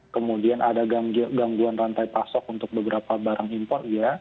kemudian ada gangguan rantai pasok untuk beberapa barang impor